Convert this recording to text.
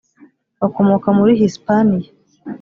bakomoka muri hisipaniya .